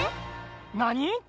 なに？